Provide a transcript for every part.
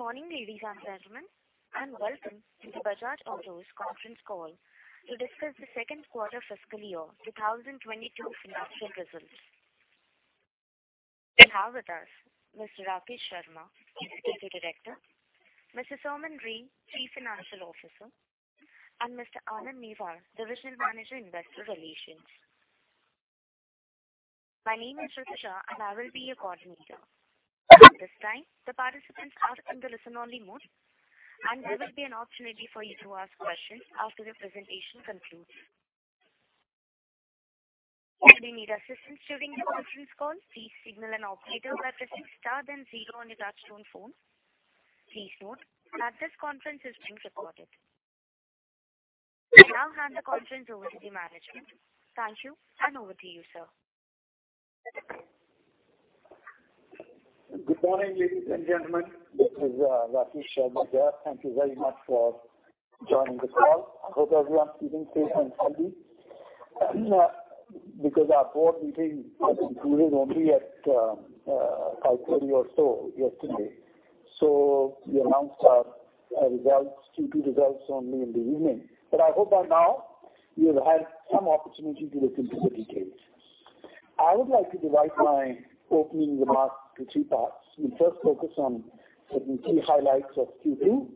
Good morning, ladies and gentlemen, and welcome to the Bajaj Auto's conference call to discuss the second quarter FY 2022 financial results. We have with us Mr. Rakesh Sharma, Executive Director, Mr. Soumen Ray, Chief Financial Officer, and Mr. Anand Newar, Divisional Manager, Investor Relations. My name is Ritisha, and I will be your coordinator. At this time, the participants are in the listen-only mode, and there will be an opportunity for you to ask questions after the presentation concludes. If you need assistance during the conference call, please signal an operator by pressing star then zero on your touchtone phone. Please note that this conference is being recorded. I now hand the conference over to the management. Thank you, and over to you, sir. Good morning, ladies and gentlemen. This is Rakesh Sharma here. Thank you very much for joining the call. I hope everyone's keeping safe and healthy. Because our board meeting concluded only at 5:30 or so yesterday, so we announced our results, Q2 results, only in the evening. I hope by now you've had some opportunity to look into the details. I would like to divide my opening remarks in three parts. We first focus on the key highlights of Q2.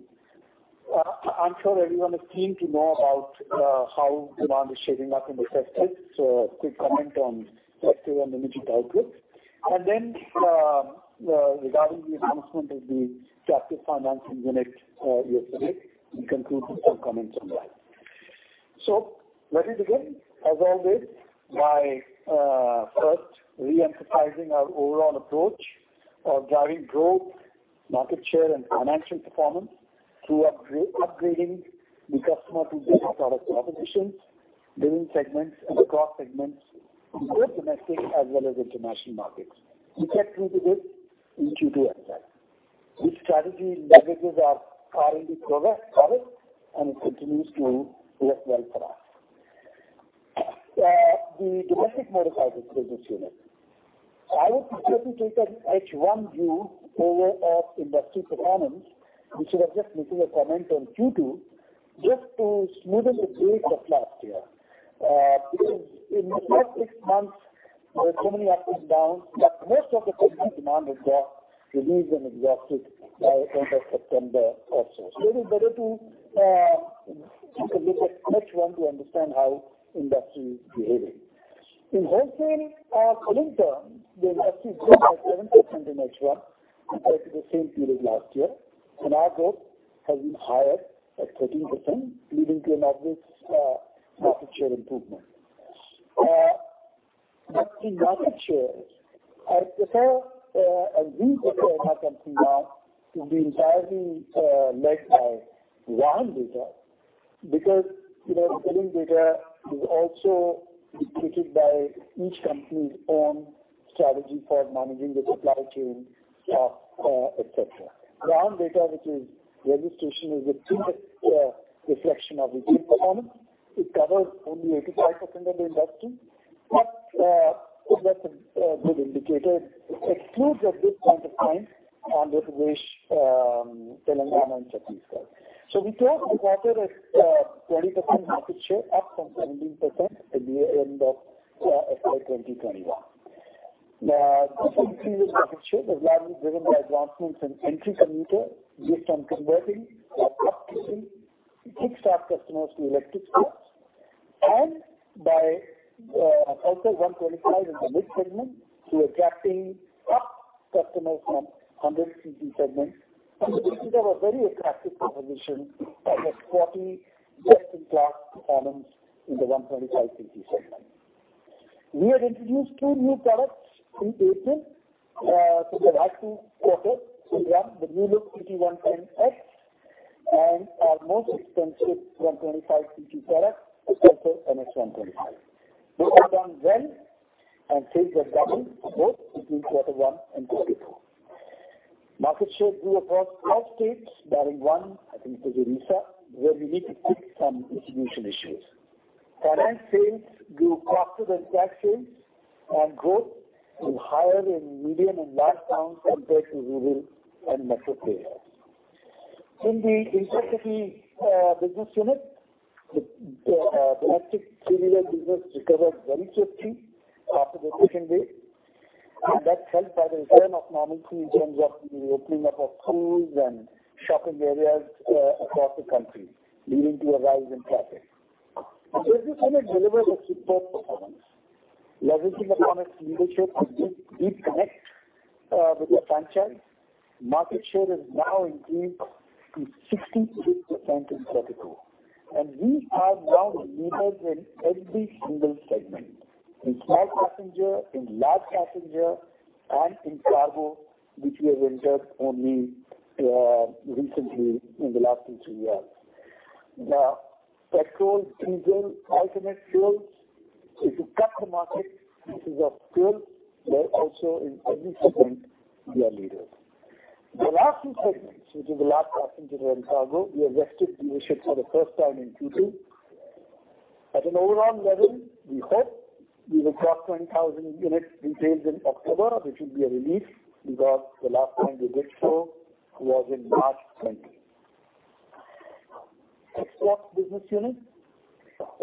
I'm sure everyone is keen to know about how demand is shaping up in the festive, so a quick comment on festive and the muted outlook. Then, regarding the announcement of the captive financing unit yesterday, we conclude with some comments on that. Let me begin, as always, by first re-emphasizing our overall approach of driving growth, market share, and financial performance through upgrading the customer to better product propositions within segments and across segments in both domestic as well as international markets. We kept to this in Q2 as well. This strategy leverages our R&D progress, product, and it continues to work well for us. The domestic motorcycles business unit, I would prefer to take an H1 view over our industry performance. We should just make a comment on Q2 just to smoothen the base of last year, because in the first six months, there were so many ups and downs that most of the festive demand realized and exhausted by end of September or so. It is better to take a look at H1 to understand how industry is behaving. In wholesale, calling terms, the industry grew by 7% in H1 compared to the same period last year. Our growth has been higher at 13%, leading to an average, market share improvement. In market shares, I prefer a view of our market share now to be entirely led by raw data because, you know, selling data is also dictated by each company's own strategy for managing the supply chain, stock, et cetera. Raw data, which is registration, is a true reflection of retail performance. It covers only 85% of the industry. It's a good indicator. It excludes at this point of time Andhra Pradesh, Telangana, and Chhattisgarh. We closed the quarter at 20% market share, up from 17% at the end of FY 2021. Now, this increase in market share was largely driven by advancements in entry commuter based on converting our existing kick-start customers to electric starts and by Pulsar 125 in the mid segment attracting 110 customers from 100 cc segment. We consider a very attractive proposition at a 40+ in-class performance in the 125 CC segment. We have introduced 2 new products in April for the last 2 quarters, one, the new look CT 110X and our most expensive 125 cc product, the Pulsar NS125. They all done well and sales have doubled both between quarter 1 and quarter 2. Market share grew across all states barring one, I think it was Odisha, where we need to fix some distribution issues. Finance sales grew faster than car sales and growth was higher in medium and large towns compared to rural and metro areas. In the intercity business unit, the domestic three-wheeler business recovered very quickly after the lockdown wave. That's helped by the return of normalcy in terms of the opening up of schools and shopping areas across the country, leading to a rise in traffic. The business unit delivered a superb performance, leveraging upon its leadership to reconnect with the franchise. Market share has now improved to 66% in quarter two. We are now leaders in every single segment, in small passenger, in large passenger, and in cargo, which we have entered only recently in the last 2-3 years. Now, petrol, diesel, alternate fuels, if you cut the market by type of fuel, we're also in every segment, we are leaders. The last two segments, which is the large passenger and cargo, we have wrested leadership for the first time in Q2. At an overall level, we hope we will cross 10,000 units retail in October, which will be a relief because the last time we did so was in March 2020. Exports business unit.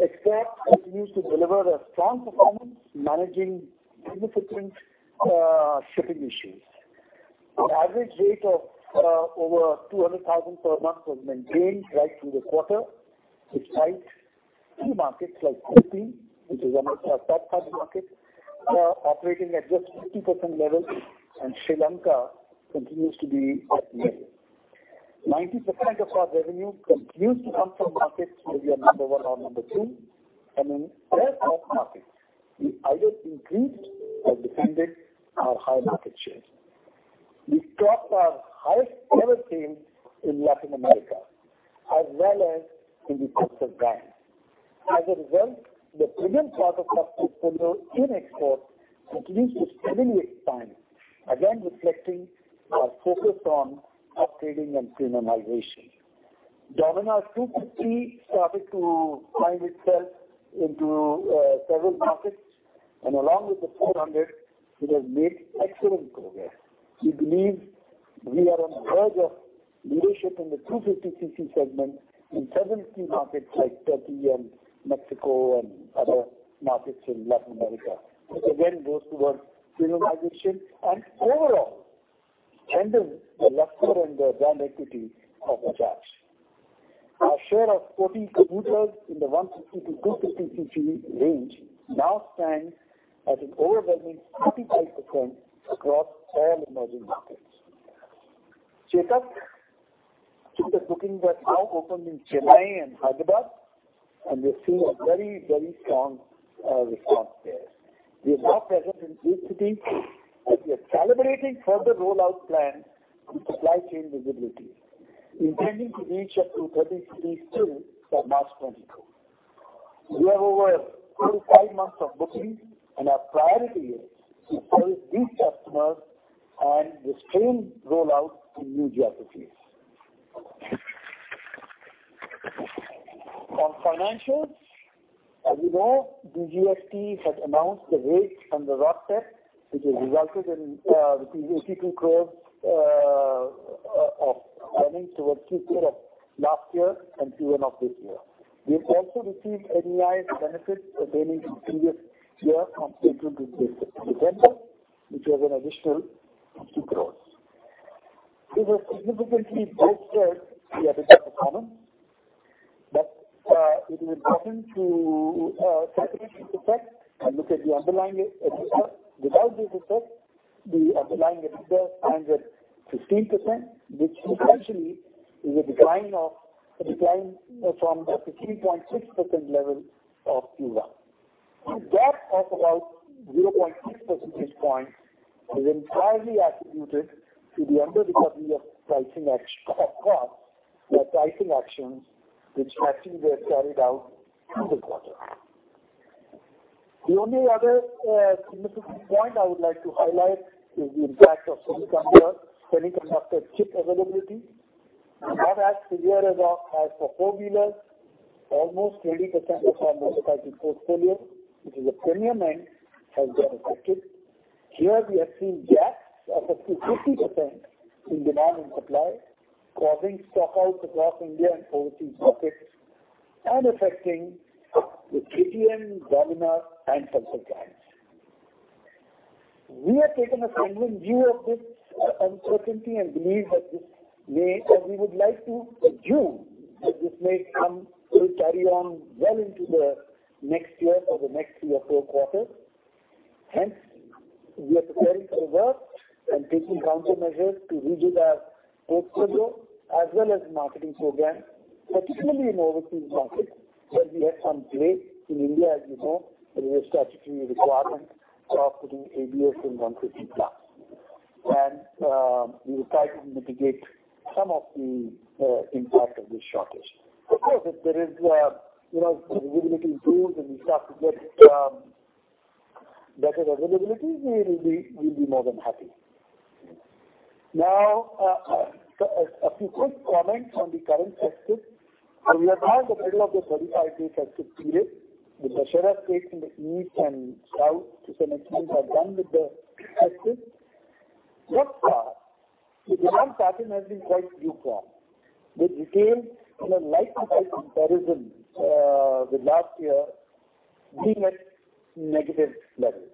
Exports continues to deliver a strong performance managing significant shipping issues. An average rate of over 200,000 per month was maintained right through the quarter, despite key markets like Philippines, which is one of our top five markets, operating at just 50% levels, and Sri Lanka continues to be off limits. 90% of our revenue continues to come from markets where we are number one or number two. In rest of markets, we either increased or defended our high market shares. We struck our highest ever sales in Latin America as well as in the Guianas. As a result, the premium part of our portfolio in export continues to stimulate demand, again reflecting our focus on upgrading and premiumization. Dominar 250 started to find itself into several markets. Along with the 400, it has made excellent progress. We believe we are on the verge of leadership in the 250 cc segment in seven key markets like Turkey and Mexico and other markets in Latin America, which again goes towards premiumization and overall enhances the luster and the brand equity of Bajaj. Our share of 40 commuters in the 150-250 cc range now stands at an overwhelming 35% across all emerging markets. Chetak scooter bookings are now open in Chennai and Hyderabad, and we're seeing a very, very strong response there. We are now present in two cities, and we are calibrating further rollout plans with supply chain visibility, intending to reach up to 30 cities by March 2022. We have over 25 months of bookings and our priority is to serve these customers and restrain rollout in new geographies. On financials. As you know, the GST had announced the rates and the restructuring, which has resulted in 82 crores of earnings towards Q3 of last year and Q1 of this year. We have also received PLI benefits pertaining to previous year from central government in September, which was an additional 50 crores. It was significantly boosted the EBITDA performance. It is important to separate this effect and look at the underlying EBITDA. Without this effect, the underlying EBITDA stands at 15%, which essentially is a decline from the 13.6% level of Q1. A gap of about 0.6 percentage points is entirely attributed to the underrecovery of pricing action of costs by pricing actions, which actually were carried out in the quarter. The only other significant point I would like to highlight is the impact of semiconductor chip availability. Not as severe as for four-wheelers. Almost 20% of our motorcycle portfolio, which is a premium mix, has been affected. Here we have seen gaps of up to 50% in demand and supply, causing stock outs across India and overseas markets and affecting the KTM, Dominar, and Pulsar brands. We have taken a sanguine view of this uncertainty and believe that this may We would like to assume that this may come to carry on well into the next year or the next year fourth quarter. Hence, we are preparing for the worst and taking countermeasures to redo our portfolio as well as marketing program, particularly in overseas markets, where we have some play. In India, as you know, there is a statutory requirement of putting ABS in 150+. We will try to mitigate some of the impact of this shortage. Of course, if availability improves and we start to get better availability, we will be, we'll be more than happy. Now, a few quick comments on the current festive. As we are now in the middle of the 35-day festive period, with the share of sales in the east and south to some extent are done with the festive. Thus far, the demand pattern has been quite lukewarm, with retail in a like-to-like comparison with last year being at negative levels.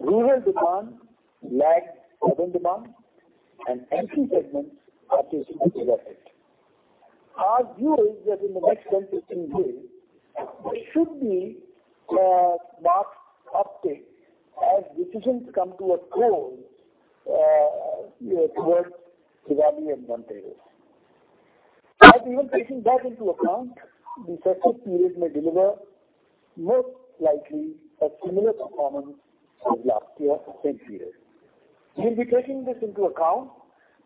Rural demand lagged urban demand and entry segments are particularly affected. Our view is that in the next 10-15 days, there should be marked uptick as decisions come to a close, you know, towards Diwali and Dhanteras. Even taking that into account, the festive period may deliver most likely a similar performance with last year same period. We'll be taking this into account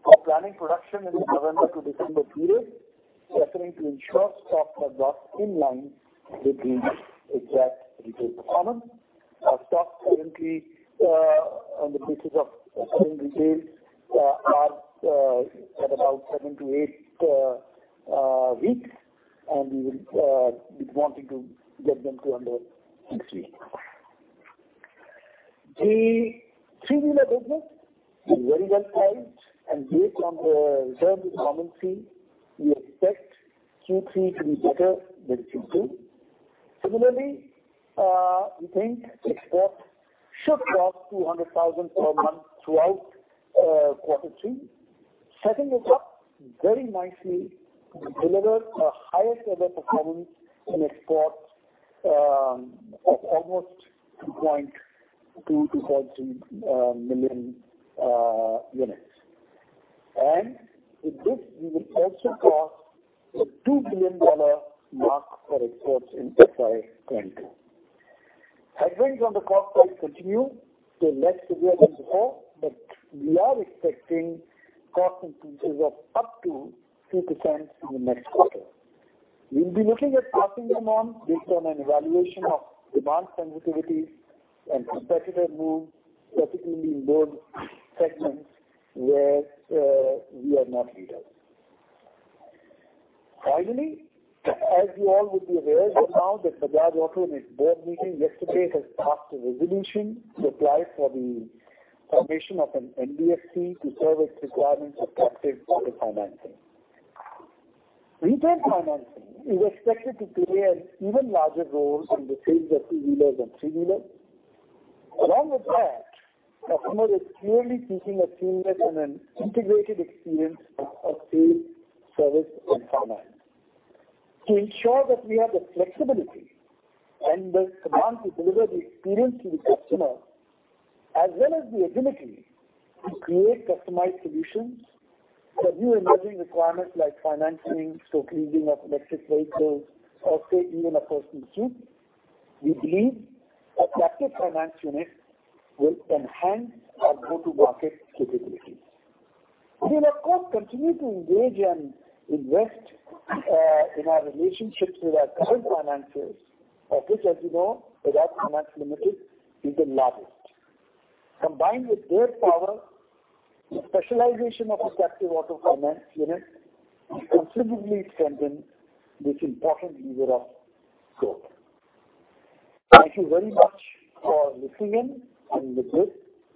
for planning production in the November to December period, preferring to ensure stocks are brought in line with the exact retail performance. Our stock currently, on the basis of current retail, are at about 7-8 weeks, and we will be wanting to get them to under 6 weeks. The three-wheeler business is very well timed and based on the RBI, we expect Q3 to be better than Q2. Similarly, we think export should cross 200,000 per month throughout quarter two. Q2 is up very nicely to deliver a highest ever performance in export of almost 2.2-2.3 million units. With this we will also cross the $2 billion mark for exports in FY 2022. Headwinds on the cost side continue. They're less severe than before, but we are expecting cost increases of up to 2% in the next quarter. We'll be looking at passing them on based on an evaluation of demand sensitivity and competitor moves, particularly in those segments where we are not leaders. Finally, as you all would be aware by now that Bajaj Auto in its board meeting yesterday has passed a resolution to apply for the formation of an NBFC to serve its requirements of captive auto financing. Retail financing is expected to play an even larger role in the sales of two-wheelers and three-wheelers. Along with that, a customer is clearly seeking a seamless and an integrated experience of sales, service, and finance. To ensure that we have the flexibility and the command to deliver the experience to the customer, as well as the ability to create customized solutions for new emerging requirements like financing, subleasing of electric vehicles or say even a personal suit, we believe a captive finance unit will enhance our go-to-market capabilities. We will of course continue to engage and invest in our relationships with our current financiers, of which, as you know, Bajaj Finance Limited is the largest. Combined with their power, the specialization of the captive auto finance unit will considerably strengthen this important lever of growth. Thank you very much for listening. With this,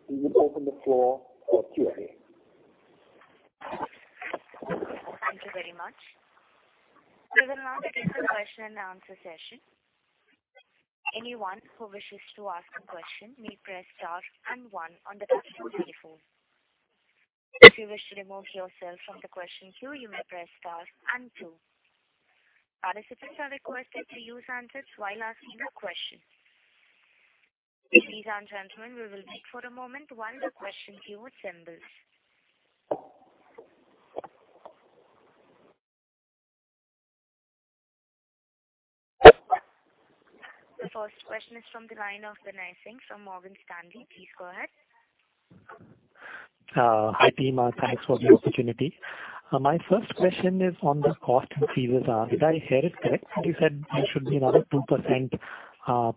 we will open the floor for Q&A. Thank you very much. We will now begin the question-and-answer session. Anyone who wishes to ask a question may press star and one on the telephone keypad. If you wish to remove yourself from the question queue, you may press star and two. Participants are requested to use handsets while asking a question. Ladies and gentlemen, we will wait for a moment while the question queue assembles. The first question is from the line of Binay Singh from Morgan Stanley. Please go ahead. Hi, team. Thanks for the opportunity. My first question is on the cost increases. Did I hear it correctly? You said there should be another 2%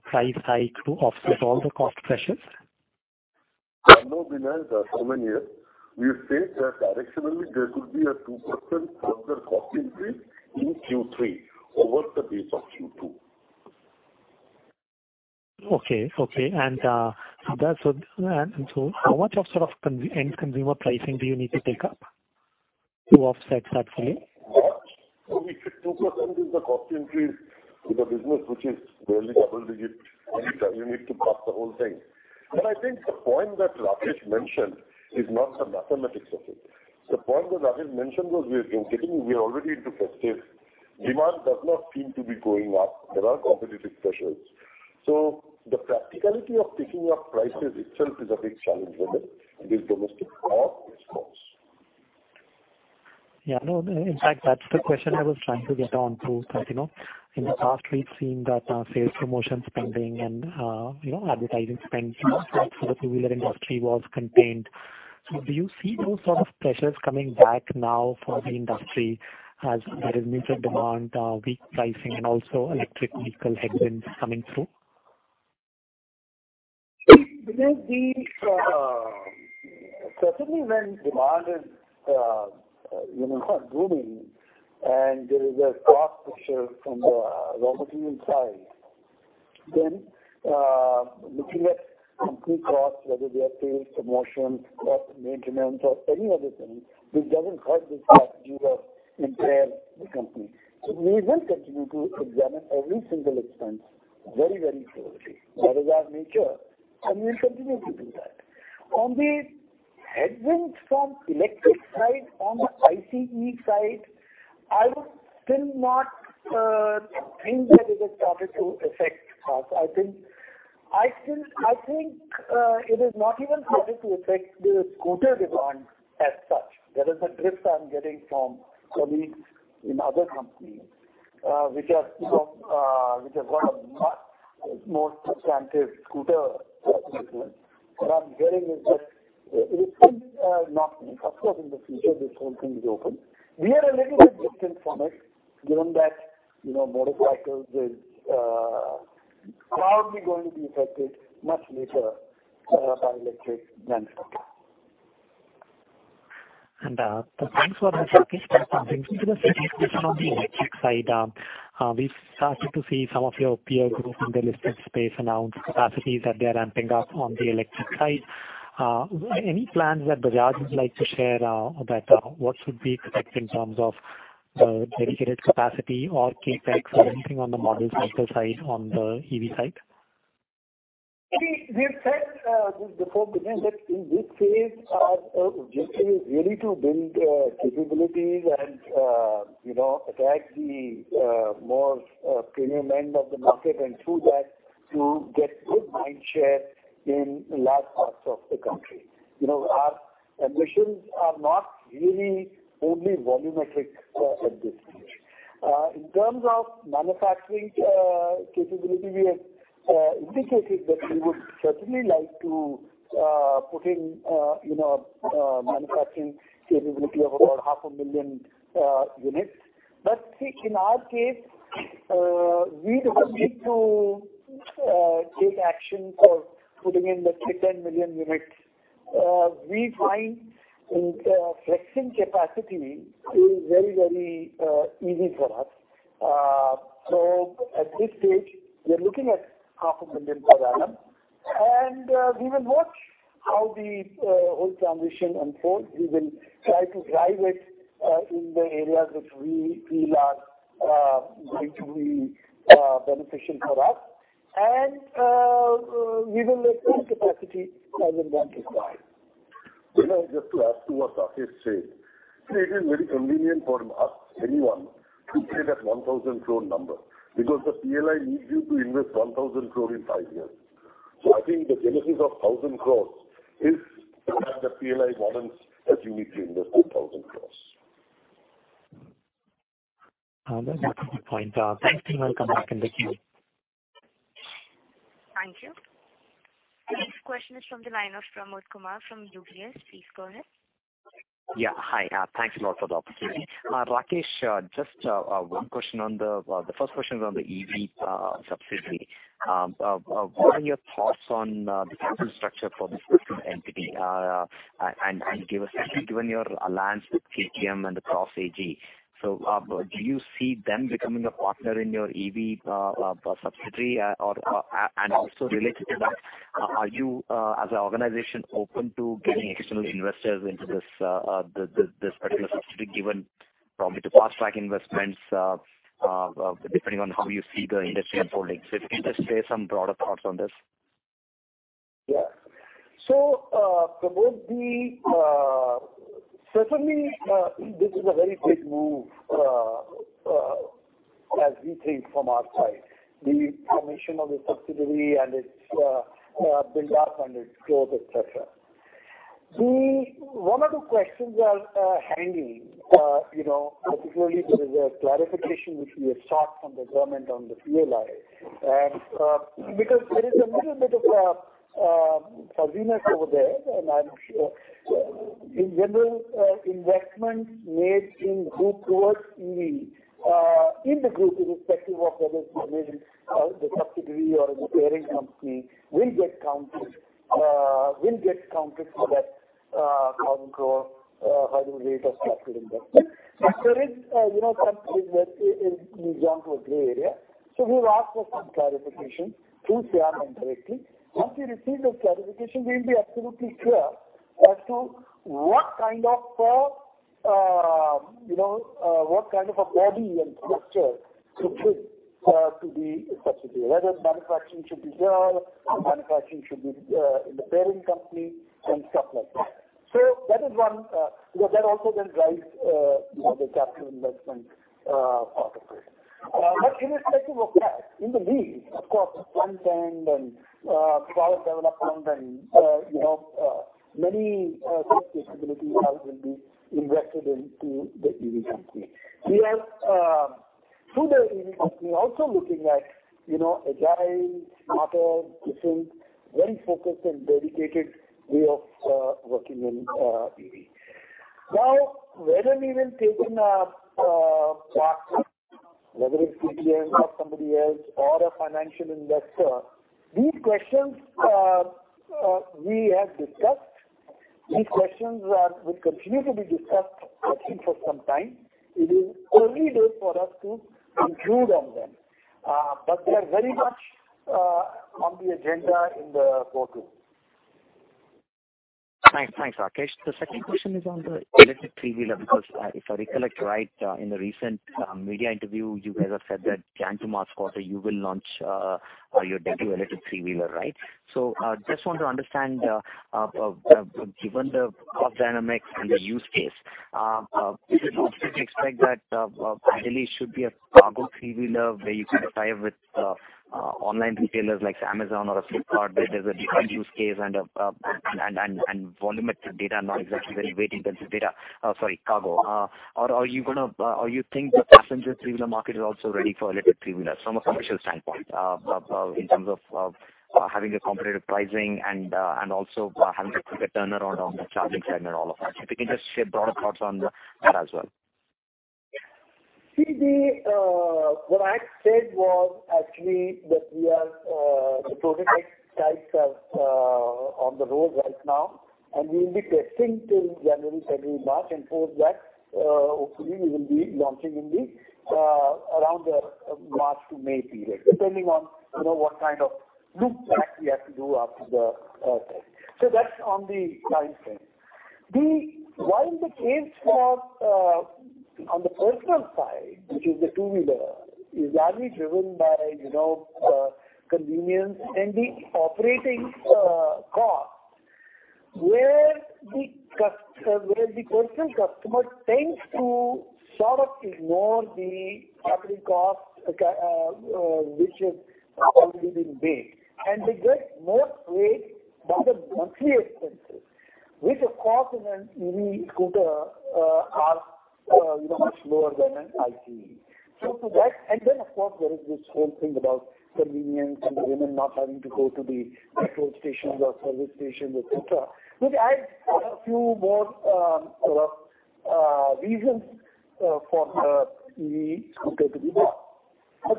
price hike to offset all the cost pressures. No, Binay, it's 7-year. We have said that directionally, there could be a 2% further cost increase in Q3 over the base of Q2. How much of sort of end consumer pricing do you need to take up to offset that fully? If it's 2% is the cost increase to the business, which is barely double digits, you need to pass the whole thing. I think the point that Rakesh mentioned is not the mathematics of it. The point that Rakesh mentioned was we are already into festive. Demand does not seem to be going up. There are competitive pressures. The practicality of taking up prices itself is a big challenge when the domestic off-take is close. Yeah, no, in fact, that's the question I was trying to get on to that, you know, in the past we've seen that, sales promotion spending and, you know, advertising spend, you know, for the two-wheeler industry was contained. Do you see those sort of pressures coming back now for the industry as there is muted demand, weak pricing and also electric vehicle headwinds coming through? Binay, certainly when demand is, you know, not booming and there is a cost pressure from relatively input side, then looking at complete costs, whether they are sales, promotions or maintenance or any other thing, it doesn't hurt the strategy of the entire company. We will continue to examine every single expense very, very thoroughly. That is our nature, and we'll continue to do that. On the headwinds from electric side, on the ICE side, I would still not think that it has started to affect us. I think it has not even started to affect the scooter demand as such. That is the drift I'm getting from colleagues in other companies which have got a much more substantive scooter business. What I'm hearing is that it could be not me. Of course, in the future, this whole thing is open. We are a little bit distant from it, given that, you know, motorcycles is probably going to be affected much later by electric than cars. Thanks for that, Rakesh. That brings me to the situation on the electric side. We started to see some of your peer group in the listed space announce capacities that they are ramping up on the electric side. Any plans that Bajaj would like to share about what should we expect in terms of dedicated capacity or CapEx or anything on the model cycle side on the EV side? We've said this before, Binay, that in this phase, our objective is really to build capabilities and, you know, attack the more premium end of the market, and through that, to get good mindshare in large parts of the country. You know, our ambitions are not really only volumetric at this stage. In terms of manufacturing capability, we have indicated that we would certainly like to put in you know manufacturing capability of about half a million units. In our case, we don't need to take action for putting in the 10 million units. We find flexing capacity is very easy for us. At this stage, we are looking at half a million per annum, and we will watch how the whole transition unfolds. We will try to drive it in the areas which we feel are going to be beneficial for us. We will let that capacity as and when required. Binay, just to add to what Rakesh said, it is very convenient for us, anyone, to say that 1,000 crore number, because the PLI needs you to invest 1,000 crore in five years. I think the genesis of 1,000 crores is the fact that PLI warrants that you need to invest 1,000 crores. That's a good point. Thanks, team. I'll come back in the queue. Thank you. The next question is from the line of Pramod Kumar from UBS. Please go ahead. Yeah. Hi. Thanks a lot for the opportunity. Rakesh, just one question on the first question on the EV subsidiary. What are your thoughts on the capital structure for this particular entity? And given your alliance with KTM and the PIERER Mobility AG, do you see them becoming a partner in your EV subsidiary? Or, and also related to that, are you, as an organization, open to getting external investors into this particular subsidiary, given probably the fast track investments, depending on how you see the industry unfolding. If you can just share some broader thoughts on this. Yeah. Pramod, certainly this is a very big move as we think from our side. The formation of the subsidiary and its build-up and its growth, et cetera. The one or two questions are hanging, you know, particularly there is a clarification which we have sought from the government on the PLI. Because there is a little bit of fuzziness over there, and I'm sure in general investments made in group towards EV in the group, irrespective of whether it's made in the subsidiary or the parent company, will get counted for that 1,000 crore hurdle rate of capital investment. There is, you know, some for example gray area. We've asked for some clarification through SIAM directly. Once we receive those clarifications, we'll be absolutely clear as to what kind of a body and structure to be a subsidiary. Whether manufacturing should be here or in the parent company and stuff like that. That is one that also then drives you know the capital investment part of it. Irrespective of that, in the R&D, of course, front end and product development and you know many such capabilities will be invested into the EV company. We are through the EV company also looking at, you know, agile, smarter, different, very focused and dedicated way of working in EV. Now, whether we will take in a partner, whether it's KTM or somebody else or a financial investor, these questions we have discussed. These questions will continue to be discussed, I think, for some time. It is early days for us to conclude on them. They are very much on the agenda in the boardroom. Thanks. Thanks, Rakesh. The second question is on the electric three-wheeler, because if I recollect right, in the recent media interview, you guys have said that January to March quarter you will launch your debut electric three-wheeler, right? Just want to understand, given the cost dynamics and the use case, should we expect that, ideally it should be a cargo three-wheeler where you can tie up with online retailers like Amazon or Flipkart, where there's a different use case and volumetric data, not exactly very weight intensive data. Sorry, cargo. You think the passenger three-wheeler market is also ready for electric three-wheeler from a commercial standpoint, in terms of having a competitive pricing and also having a quicker turnaround on the charging side and all of that? If you can just share broader thoughts on that as well. What I said was actually that the prototypes are on the road right now, and we will be testing till January, February, March. Post that, hopefully we will be launching around the March to May period, depending on you know what kind of loop back we have to do after the test. That's on the time frame. While the case for on the personal side, which is the two-wheeler, is largely driven by you know convenience and the operating cost, where the personal customer tends to sort of ignore the operating costs, which is already been big, and they get more weighed by the monthly expenses, which of course in an EV scooter are, you know, much lower than an ICE. For that... Of course, there is this whole thing about convenience and the women not having to go to the petrol stations or service stations, et cetera. Maybe add a few more, sort of, reasons, for the EV scooter to be bought.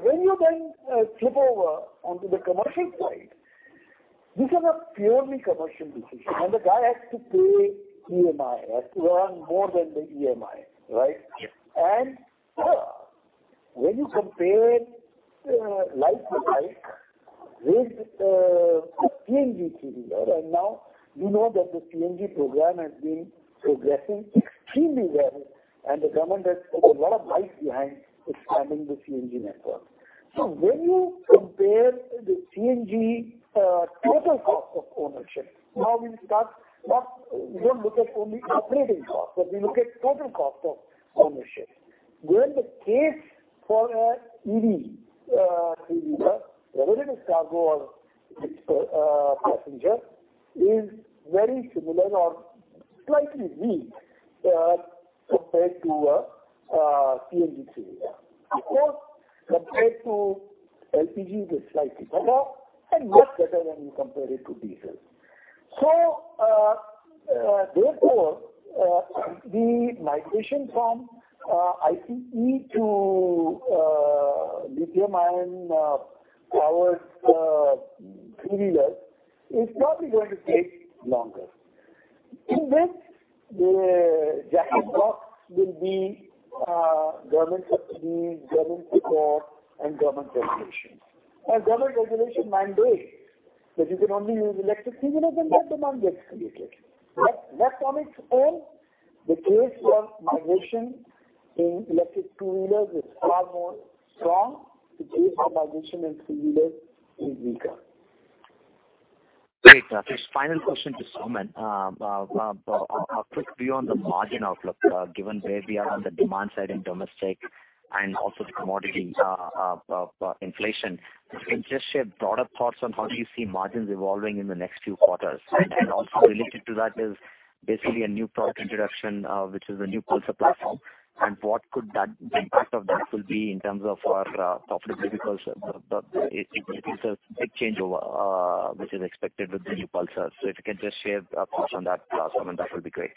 When you're going, flip over onto the commercial side, these are a purely commercial decision. The guy has to pay EMI, he has to earn more than the EMI, right? Yes. When you compare, like with like, the CNG three-wheeler, and the CNG program has been progressing extremely well, and the government has put a lot of might behind expanding the CNG network. When you compare the CNG total cost of ownership, we don't look at only operating costs, but we look at total cost of ownership. Then the case for an EV three-wheeler, whether it is cargo or passenger, is very similar or slightly weak, compared to a CNG three-wheeler. Of course, compared to LPG, it is slightly better and much better when you compare it to diesel. Therefore, the migration from ICE to lithium ion powered three-wheelers is probably going to take longer. In this, the jack-in-the-box will be government subsidies, government support and government regulations. A government regulation mandates that you can only use electric three-wheeler, then that demand gets created. Left on its own, the case for migration in electric two-wheelers is far more strong. The case for migration in three-wheelers is weaker. Great, Rakesh. Final question to Soumen. A quick view on the margin outlook, given where we are on the demand side in domestic and also the commodity inflation. If you can just share broader thoughts on how do you see margins evolving in the next few quarters. Also related to that is basically a new product introduction, which is the new Pulsar platform, and what the impact of that will be in terms of our profitability, because it is a big changeover, which is expected with the new Pulsar. If you can just share a thought on that as well, Soume, that would be great.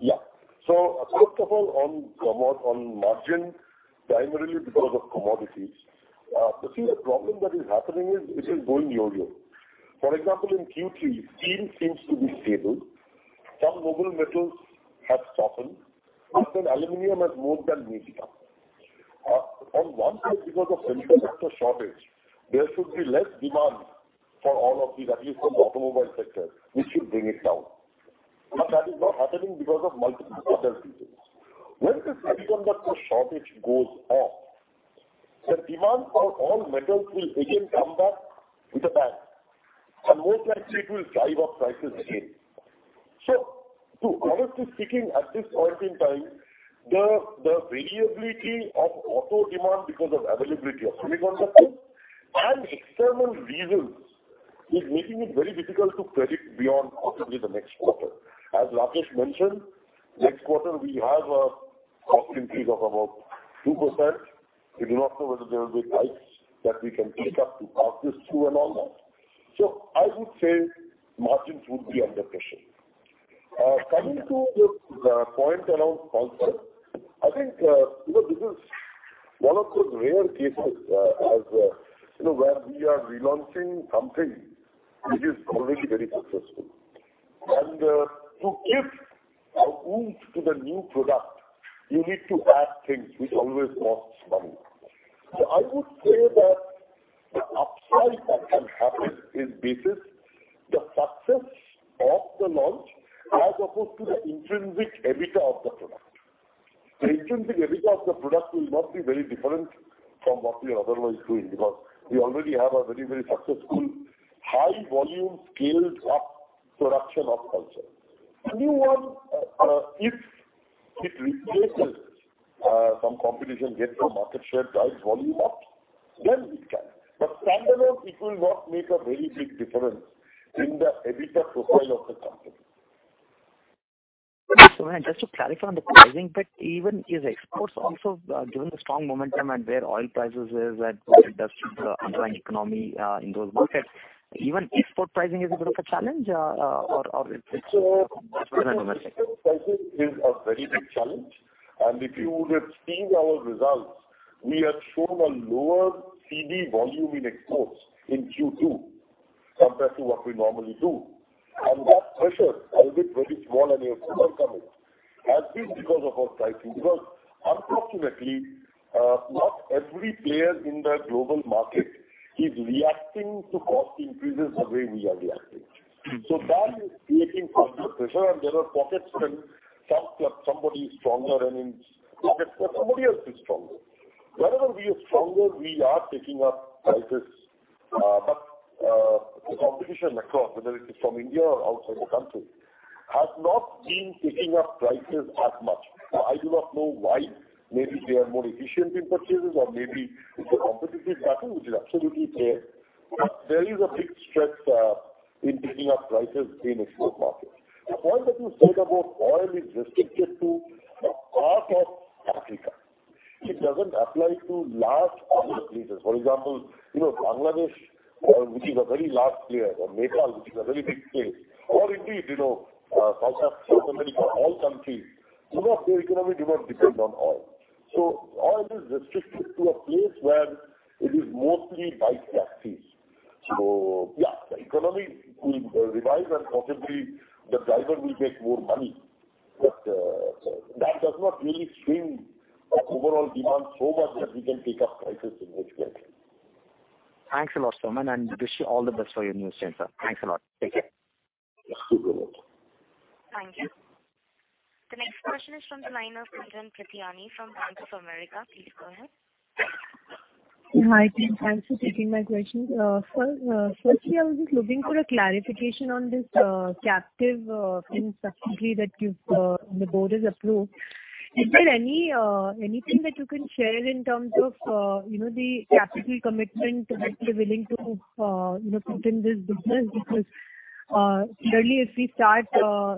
Yeah. First of all, on margin, primarily because of commodities. You see the problem that is happening is it is going yo-yo. For example, in Q3, steel seems to be stable. Some noble metals have softened. Aluminum has more than made up. On one side, because of semiconductor shortage, there should be less demand for all of these, at least from automobile sector, which should bring it down. But that is not happening because of multiple other reasons. Once the semiconductor shortage goes off, the demand for all metals will again come back with a bang, and most likely it will drive up prices again. Honestly speaking, at this point in time, the variability of auto demand because of availability of semiconductors and external reasons is making it very difficult to predict beyond possibly the next quarter. As Rakesh mentioned, next quarter we have a cost increase of about 2%. We do not know whether there will be hikes that we can take up to pass this through and all that. I would say margins would be under pressure. Coming to the point around Pulsar, I think, you know, this is one of those rare cases, as, you know, where we are relaunching something which is already very successful. To give a oomph to the new product, you need to add things which always costs money. I would say that the upside that can happen is based the success of the launch as opposed to the intrinsic EBITDA of the product. The intrinsic EBITDA of the product will not be very different from what we are otherwise doing, because we already have a very, very successful high volume, scaled up production of Pulsar. The new one, if it replaces some competition, gets some market share, drives volume up, then it can. Standalone, it will not make a very big difference in the EBITDA profile of the company. Soumen, just to clarify on the pricing bit, even in exports also, given the strong momentum and where oil prices are and what it does to the underlying economy, in those markets, even export pricing is a bit of a challenge, or it's- is a very big challenge. If you would have seen our results, we have shown a lower CV volume in exports in Q2 compared to what we normally do. That pressure, albeit very small and we have overcome it, has been because of our pricing, because unfortunately, not every player in the global market is reacting to cost increases the way we are reacting. That is creating some pressure, and there are pockets when somebody is stronger and in pockets where somebody else is stronger. Wherever we are stronger, we are taking up prices, but the competition across, whether it is from India or outside the country, has not been taking up prices as much. I do not know why. Maybe they are more efficient in purchases or maybe it is a competitive battle, which is absolutely fair. There is a big stretch in taking up prices in export markets. The point that you said about oil is restricted to a part of Africa. It doesn't apply to large other places. For example, you know, Bangladesh, which is a very large player, or Nepal, which is a very big place, or indeed, you know, South Africa, all countries. Their economy does not depend on oil. Oil is restricted to a place where it is mostly by taxis. Yes, the economy will revise and possibly the driver will make more money. That does not really swing the overall demand so much that we can take up prices significantly. Thanks a lot, Soumen, and wish you all the best for your new center. Thanks a lot. Take care. You're welcome. Thank you. The next question is from the line of Gunjan Prithyani from Bank of America. Please go ahead. Hi, team. Thanks for taking my question. Sir, firstly, I was just looking for a clarification on this captive fin subsidiary that the board has approved. Is there anything that you can share in terms of you know the capital commitment that you're willing to you know put in this business? Because clearly if we start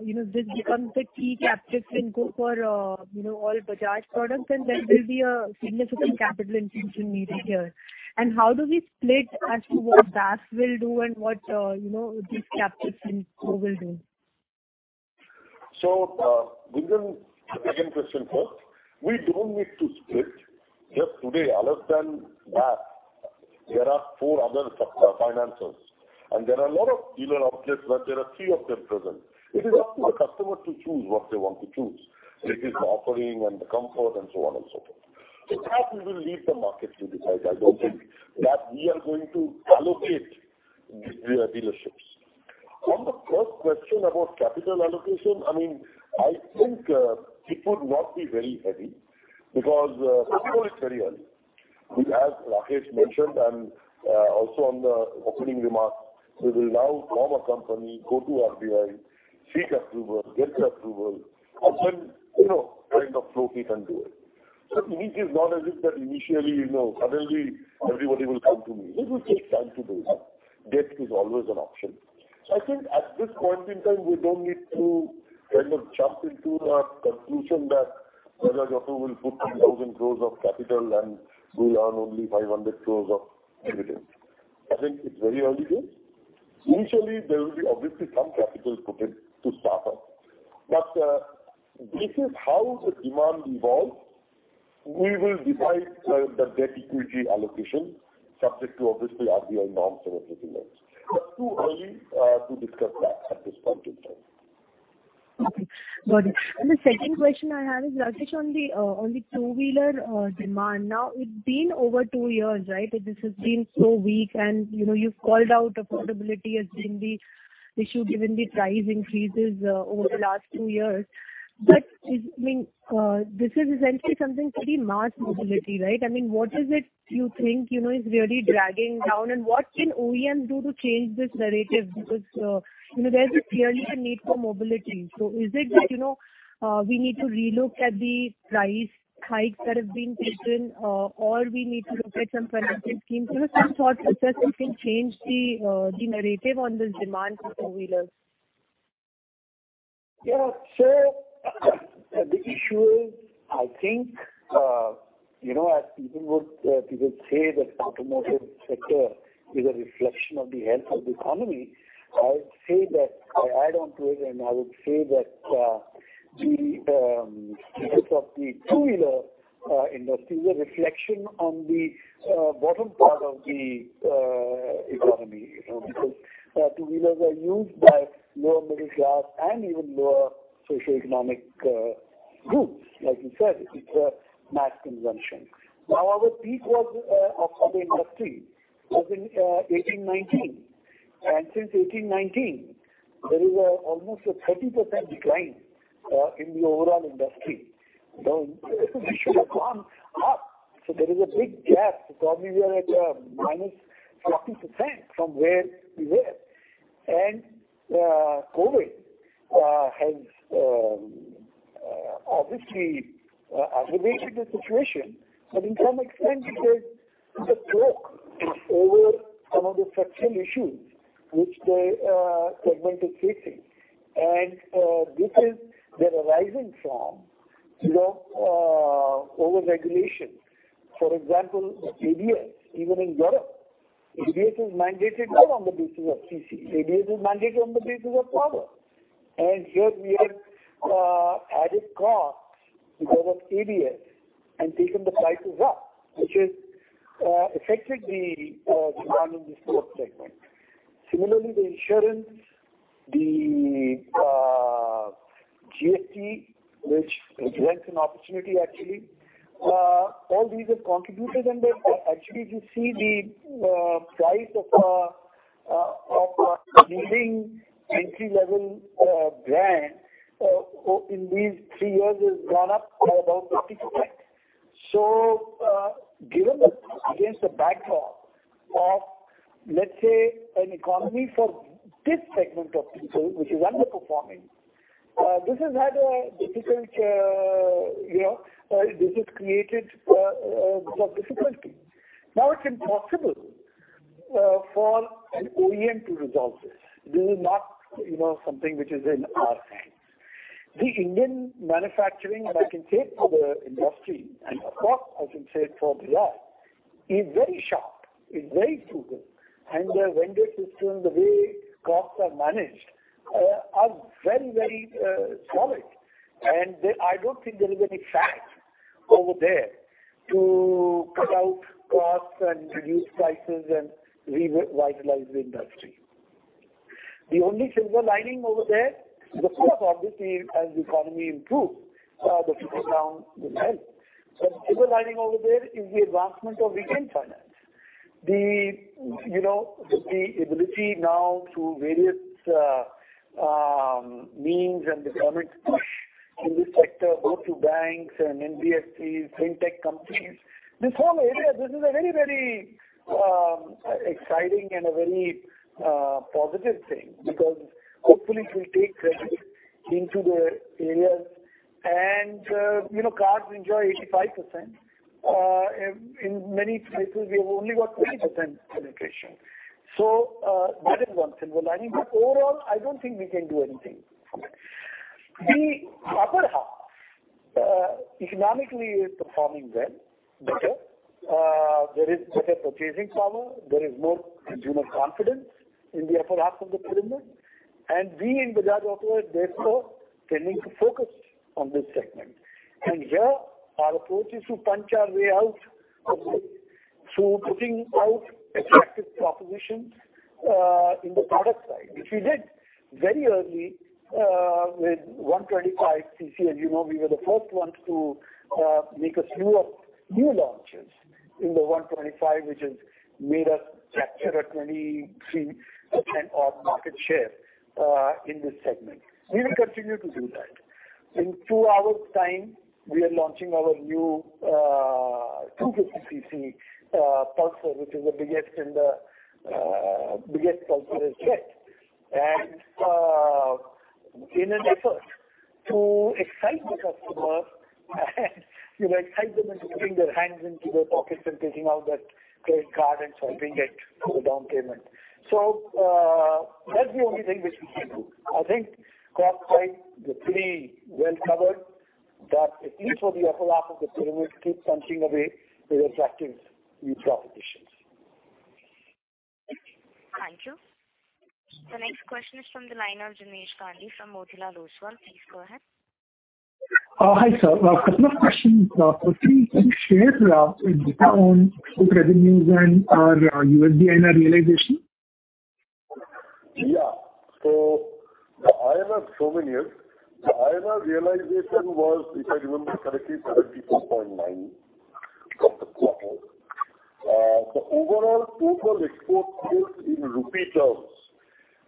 you know this becomes a key captive fin co for you know all Bajaj products, and then there'll be a significant capital infusion needed here. How do we split as to what BAF will do and what, you know, this captive fin co will do? Within the second question first, we don't need to split. Just today, other than BAF, there are four other financiers, and there are a lot of dealer outlets where there are three of them present. It is up to the customer to choose what they want to choose, whether it is the offering and the comfort and so on and so forth. That we will leave the market to decide. I don't think that we are going to allocate the dealerships. On the first question about capital allocation, I mean, I think it would not be very heavy because first of all, it's very early. As Rakesh mentioned and also on the opening remarks, we will now form a company, go to RBI, seek approval, get the approval, and then, you know, kind of float it and do it. It means it's not as if that initially, you know, suddenly everybody will come to me. It will take time to build up. Debt is always an option. I think at this point in time, we don't need to kind of jump into a conclusion that Bajaj Auto will put 10,000 crores of capital and we earn only 500 crores of dividends. I think it's very early days. Initially, there will be obviously some capital put in to start up. But this is how the demand evolves. We will decide the debt equity allocation, subject to obviously RBI norms and regulations. It's too early to discuss that at this point in time. Okay, got it. The second question I have is, Rakesh, on the two-wheeler demand. Now, it's been over two years, right? That this has been so weak and, you know, you've called out affordability as being the issue given the price increases over the last two years. But is, I mean, this is essentially something pretty mass mobility, right? I mean, what is it you think, you know, is really dragging down? And what can OEM do to change this narrative? Because, you know, there's clearly a need for mobility. So is it that, you know, we need to relook at the price hikes that have been taken or we need to look at some financing schemes? You know, some thoughts as to what we can change the narrative on this demand for two-wheelers. Yeah. The issue is, I think, you know, as people say that automotive sector is a reflection of the health of the economy. I would say that I add on to it, and the status of the two-wheeler industry is a reflection on the bottom part of the economy, you know, because two-wheelers are used by lower middle class and even lower socioeconomic groups. Like you said, it's a mass consumption. Now, our peak was of the industry was in 2018-2019. Since 2018-2019, there is almost a 30% decline in the overall industry. Now, it should have gone up. There is a big gap. Probably we are at minus 40% from where we were. COVID has obviously aggravated the situation, but to some extent because the shock is over some of the structural issues which the segment is facing. These are arising from, you know, over-regulation. For example, ABS, even in Europe ABS is mandated not on the basis of CC, ABS is mandated on the basis of power. Here we have added costs because of ABS and taken the prices up, which has affected the demand in this fourth segment. Similarly, the insurance, the GST, which presents an opportunity actually, all these have contributed. Actually, if you see the price of a leading entry-level brand in these three years has gone up by about 50%. Given against the backdrop of, let's say, an economy for this segment of people which is underperforming, this has created a lot of difficulty. Now it's impossible for an OEM to resolve this. This is not, you know, something which is in our hands. The Indian manufacturing, and I can say it for the industry, and of course I can say it for Bajaj, is very sharp, is very frugal. The vendor system, the way costs are managed, are very, very solid. I don't think there is any fat over there to cut out costs and reduce prices and revitalize the industry. The only silver lining over there, the first obviously as the economy improves, the pickup in demand. The silver lining over there is the advancement of retail finance. You know, the ability now through various means and the government push in this sector, both to banks and NBFCs, fintech companies, this whole area, this is a very exciting and a very positive thing. Because hopefully it will take credit into the areas and, you know, cars enjoy 85%. In many places, we have only got 20% penetration. That is one silver lining. But overall, I don't think we can do anything. The upper half economically is performing well, better. There is better purchasing power. There is more consumer confidence in the upper half of the pyramid. We in Bajaj Auto are therefore tending to focus on this segment. Here our approach is to punch our way out of this through putting out attractive propositions in the product side, which we did very early with 125 cc. You know, we were the first ones to make a slew of new launches in the 125, which has made us capture 23% of market share in this segment. We will continue to do that. In two hours time, we are launching our new 250 cc Pulsar, which is the biggest Pulsar yet. In an effort to excite the customer and, you know, excite them into putting their hands into their pockets and taking out that credit card and swiping it for the down payment. That's the only thing which we can do. I think costs side is pretty well covered. At least for the upper half of the pyramid, keep punching away with attractive new propositions. Thank you. The next question is from the line of Jinesh Gandhi from Motilal Oswal. Please go ahead. Hi, sir. A couple of questions. First, can you share data on export revenues and USD INR realization? The INR realization was, if I remember correctly, 74.9 for the quarter. The overall total export sales in rupee terms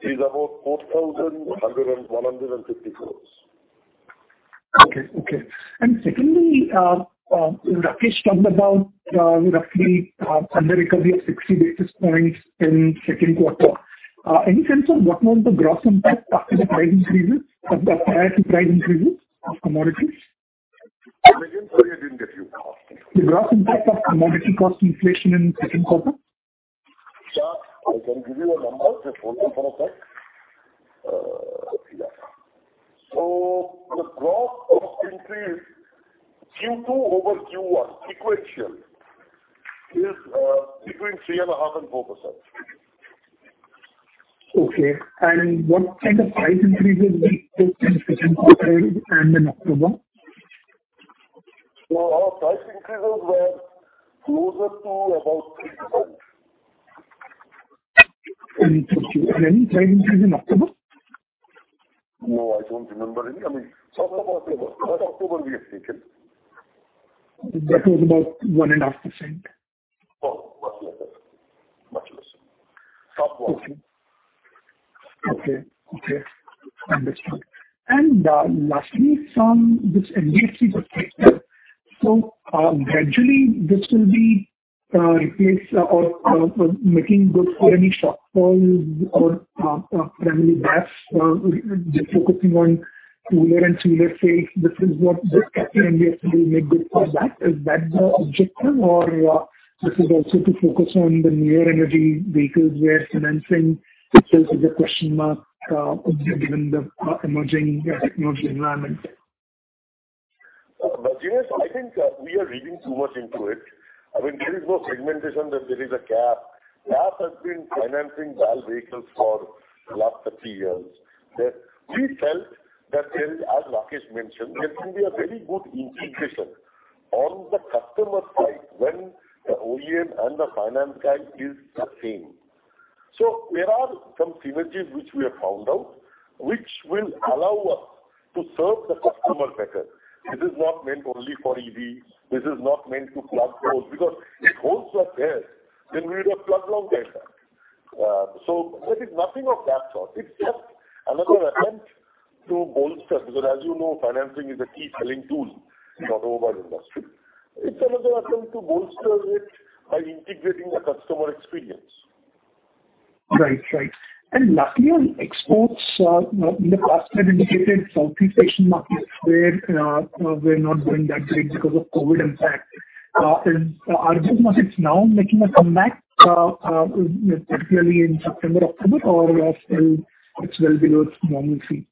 is about 4,150 crores. Secondly, Rakesh talked about roughly under recovery of 60 basis points in second quarter. Any sense of what was the gross impact after the price increases, prior to price increases of commodities? Sorry, I didn't get you. The gross impact of commodity cost inflation in second quarter. Yeah, I can give you a number. Just hold on for a sec. Yeah. The gross cost increase Q2 over Q1 sequential is between 3.5 and 4%. Okay. What kind of price increases were made in second quarter and in October? Our price increases were closer to about 3%. Any price increase in October? No, I don't remember any. I mean, some October. Last October we have taken. That was about 1.5%. Oh, much less. Sub one. Okay. Understood. Lastly from this NBFCs effect. Gradually this will be replaced or making good for any shortfalls or family debts. Just focusing on rural and two-wheeler finance, this is what the NBFC will make good for that. Is that the objective or this is also to focus on the new energy vehicles where financing still is a question mark given the emerging technology environment? Jinesh, I think we are reading too much into it. I mean, there is no indication that there is a gap. BFL has been financing all vehicles for the last 30 years. We felt that there is, as Rakesh mentioned, there can be a very good integration on the customer side when the OEM and the finance guy is the same. There are some synergies which we have found out, which will allow us to serve the customer better. This is not meant only for EV, this is not meant to plug holes, because if holes were there, then we would have plugged long back. It is nothing of that sort. It's just another attempt to bolster because as you know, financing is a key selling tool in the overall industry. It's another attempt to bolster it by integrating the customer experience. Right. Lastly on exports, you know, in the past you had indicated Southeast Asian markets where were not doing that great because of COVID impact. Are those markets now making a comeback, particularly in September, October, or is it still well below normalcy?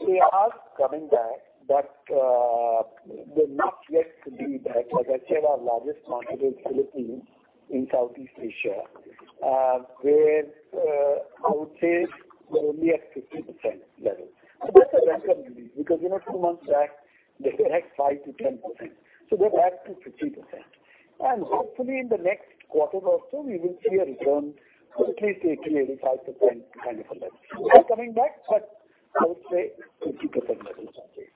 They are coming back, but they're not yet to be back. Like I said, our largest market is Philippines in Southeast Asia, where I would say we're only at 50% level. That's a welcome relief because, you know, two months back, they were at 5%-10%, so they're back to 50%. Hopefully in the next quarter or so we will see a return to at least 80%-85% kind of a level. They're coming back, but I would say it's 50% level currently.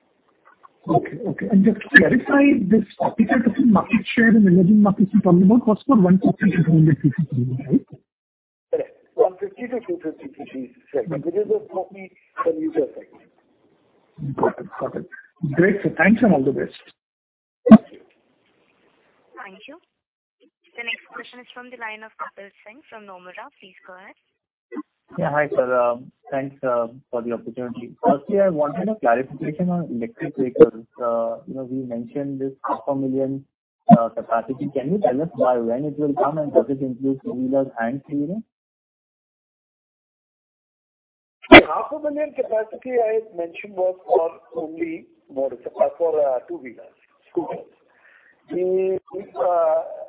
Okay. Just to clarify, this 50% market share in emerging markets you're talking about was for 150-250 cc, right? Correct. 150-250 cc segment. It is just only the leisure segment. Got it. Great, sir. Thanks, and all the best. Thank you. Thank you. The next question is from the line of Kapil Singh from Nomura. Please go ahead. Yeah, hi, sir. Thanks for the opportunity. Firstly, I wanted a clarification on electric vehicles. You know, we mentioned this half a million capacity. Can you tell us by when it will come? And does it include two-wheelers and three-wheelers? The 500,000 capacity I had mentioned was for only two-wheelers, scooters. The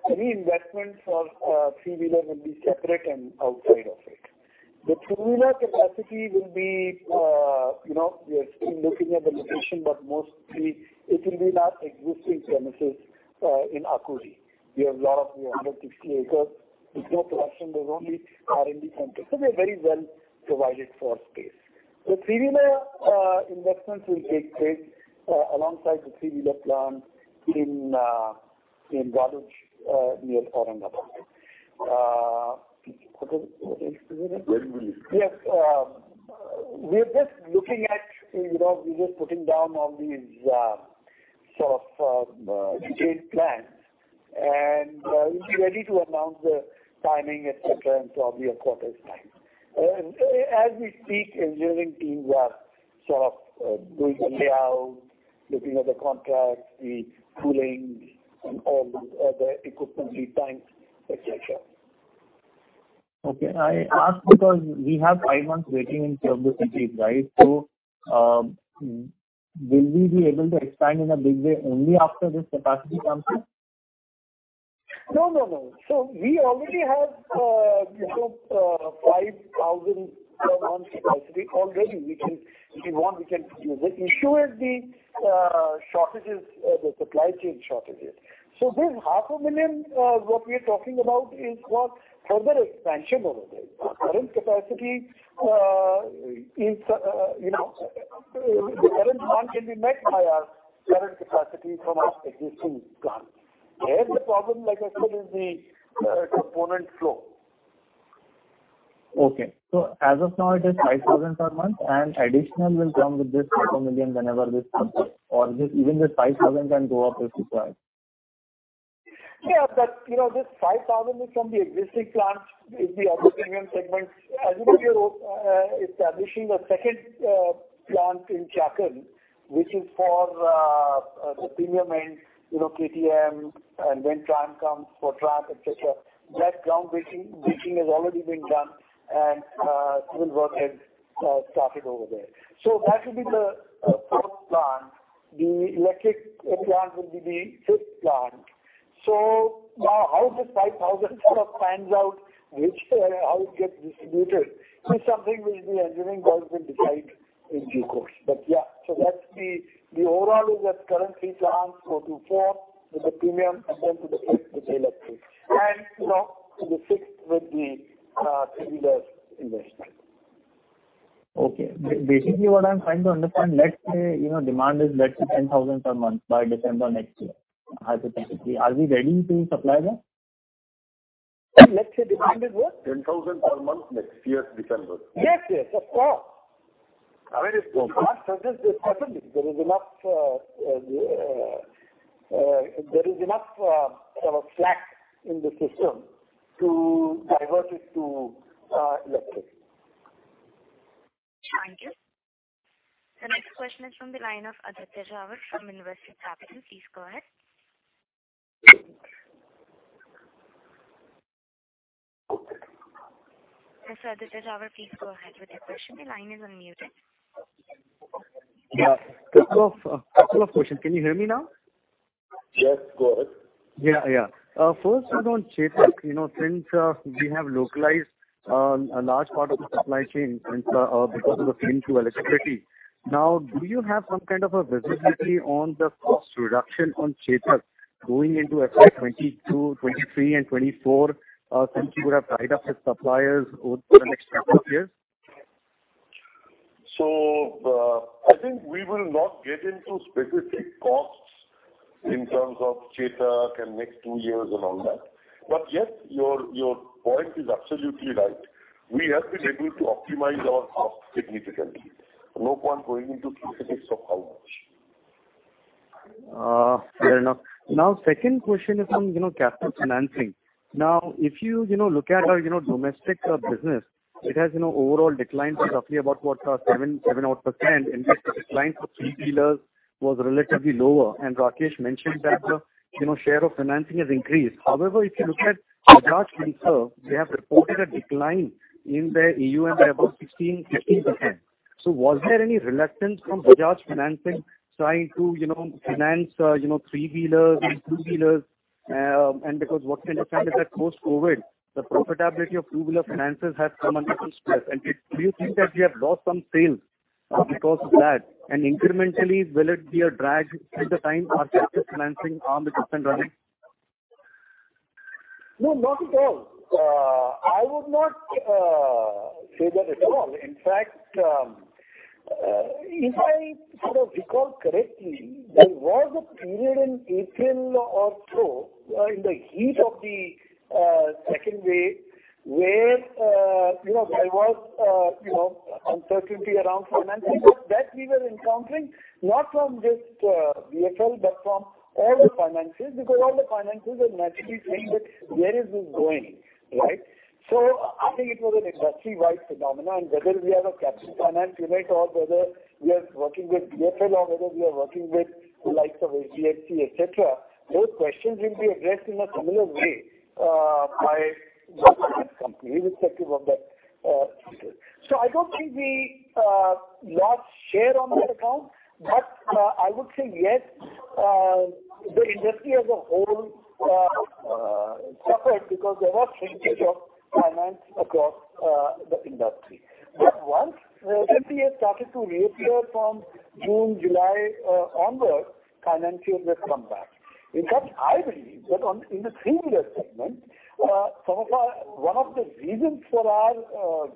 reinvestment for three-wheeler will be separate and outside of it. The three-wheeler capacity will be, you know, we are still looking at the location, but mostly it will be in our existing premises in Akurdi. We have 160 acres. There's no production. There's only R&D center, so we are very well provided for space. The three-wheeler investments will take place alongside the three-wheeler plant in Waluj near Aurangabad. Kapil, what else do you need? Very good. Yes. We are just looking at, you know, we're just putting down all these, sort of, detailed plans and, we'll be ready to announce the timing, et cetera, in probably a quarter's time. As we speak, engineering teams are sort of, doing the layout, looking at the contracts, the cooling and all those other equipment lead times, et cetera. Okay. I asked because we have five months waiting in tier two cities, right? Will we be able to expand in a big way only after this capacity comes in? No, no. We already have, you know, 5,000 per month capacity already. We can. If we want, we can use it. The issue is the shortages, the supply chain shortages. This 500,000, what we are talking about is for further expansion over there. The current capacity is, you know, the current demand can be met by our current capacity from our existing plants. Here, the problem, like I said, is the component flow. As of now, it is 5,000 per month and additional will come with this half a million whenever this comes up. This, even this 5,000 can go up if required. You know, this 5,000 is from the existing plants in the auto premium segment. As you know, we are establishing a second plant in Chakan, which is for the premium end, you know, KTM and when Triumph comes, for Triumph, et cetera. That ground breaking has already been done and civil work has started over there. That will be the fourth plant. The electric plant will be the fifth plant. Now how this 5,000 sort of pans out, which how it gets distributed is something which the engineering guys will decide in due course. Yeah, that's the overall is that current three plants go to four with the premium and then to the fifth with the electric. You know, to the sixth with the three-wheeler investment. Okay. Basically what I'm trying to understand, let's say, you know, demand is let's say 10,000 per month by December next year, hypothetically, are we ready to supply that? Let's say demand is what? 10,000 per month next year, December. Yes, yes. Of course. I mean, if the plant comes in, definitely. There is enough sort of slack in the system to divert it to electric. Thank you. The next question is from the line of Aditya Jhawar from Investec Capital. Please go ahead. Mr. Aditya Jhawar, please go ahead with your question. The line is unmuted. Yeah. A couple of questions. Can you hear me now? Yes, go ahead. Yeah, yeah. First one on Chetak. You know, since we have localized a large part of the supply chain since because of the FAME II eligibility, Now, do you have some kind of a visibility on the cost reduction on Chetak going into FY 2022, 2023 and 2024, since you would have tied up with suppliers over the next couple of years? I think we will not get into specific costs in terms of Chetak and next two years and all that. Yes, your point is absolutely right. We have been able to optimize our costs significantly. No point going into specifics of how much. Fair enough. Now, second question is on, you know, captive financing. Now, if you look at our domestic business, it has overall declined roughly about 7-odd%. In fact, the decline for three-wheelers was relatively lower, and Rakesh mentioned that the share of financing has increased. However, if you look at Bajaj Finance, they have reported a decline in their AUM by about 16%. So was there any reluctance from Bajaj Finance trying to finance three-wheelers and two-wheelers? And because what we understand is that post-COVID, the profitability of two-wheeler finances has come under some stress. Do you think that we have lost some sales because of that? And incrementally will it be a drag at the time our captive financing arm is up and running? No, not at all. I would not say that at all. In fact, if I sort of recall correctly, there was a period in April or so, in the heat of the second wave, where you know, there was you know, uncertainty around financing that we were encountering, not from just BFL, but from all the financiers. Because all the financiers are naturally saying that, "Where is this going?" Right? I think it was an industry-wide phenomenon. Whether we have a captive finance unit or whether we are working with BFL or whether we are working with the likes of HDFC, et cetera, those questions will be addressed in a similar way by most of these companies, irrespective of the sector. I don't think we lost share on that account. I would say, yes, the industry as a whole suffered because there was shrinkage of finance across the industry. Once LATAM started to reappear from June, July onward, financiers have come back. In fact, I believe that in the three-wheeler segment, one of the reasons for our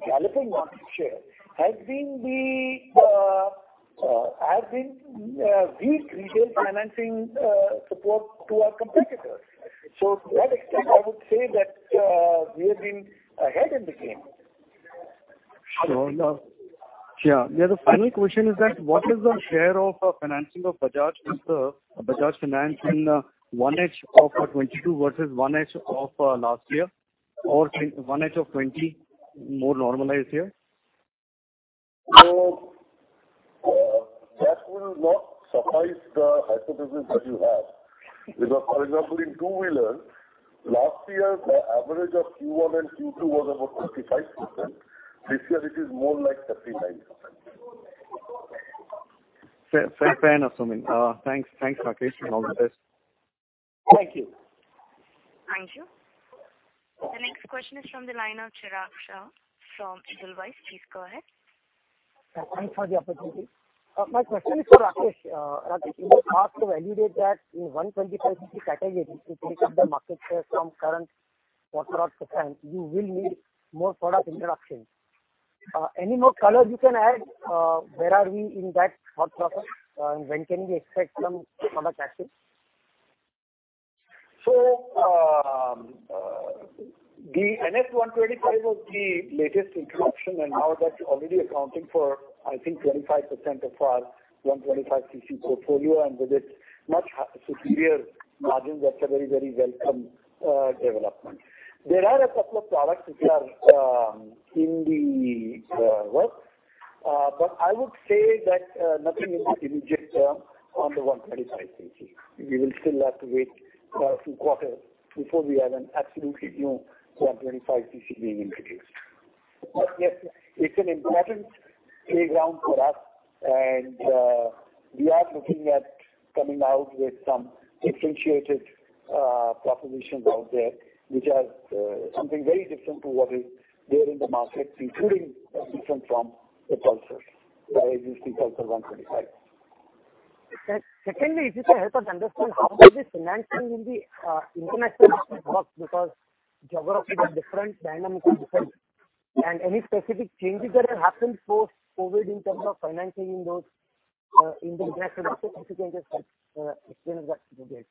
galloping market share has been weak retail financing support to our competitors. To that extent, I would say that we have been ahead in the game. Sure enough. Yeah. Yeah, the final question is that what is the share of financing of Bajaj Finance in 1H of 2022 versus 1H of last year or 1H of 2020, more normalized year? That will not suffice the hypothesis that you have. Because, for example, in two-wheelers, last year the average of Q1 and Q2 was about 35%. This year it is more like 39%. Fair enough, Soumen. Thanks, Rakesh, and all the best. Thank you. Thank you. The next question is from the line of Chirag Shah from Edelweiss. Please go ahead. Thanks for the opportunity. My question is to Rakesh. Rakesh, in the past you validated that in 125 cc category, to take up the market share from current 4%, you will need more product introductions. Any more color you can add? Where are we in that thought process? When can we expect some product actions? The NS125 was the latest introduction, and now that's already accounting for, I think, 25% of our 125 cc portfolio. With its much superior margins, that's a very, very welcome development. There are a couple of products which are in the works. I would say that nothing in the immediate term on the 125 cc. We will still have to wait a few quarters before we have an absolutely new 125 cc being introduced. Yes, it's an important playground for us and we are looking at coming out with some differentiated propositions out there, which are something very different to what is there in the market, including different from the Pulsars, the NS Pulsar 125. Secondly, if you can help us understand how does the financing in the international market work? Because geographies have different dynamics. Any specific changes that have happened post-COVID in terms of financing in those in the international market. If you can just explain to us that little bit.